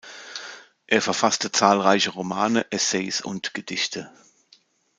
Er verfasste zahlreiche Romane, Essays und Gedichte.